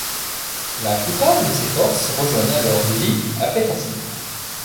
La plupart de ses forces rejoignent alors Lee à Petersburg.